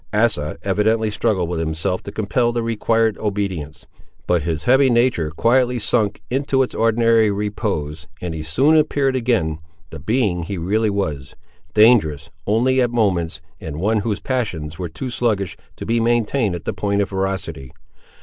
Asa evidently struggled with himself to compel the required obedience, but his heavy nature quietly sunk into its ordinary repose, and he soon appeared again the being he really was; dangerous, only, at moments, and one whose passions were too sluggish to be long maintained at the point of ferocity.